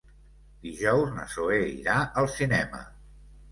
Dijous na Zoè irà al cinema.